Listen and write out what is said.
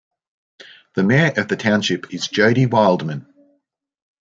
The mayor of the township is Jody Wildman.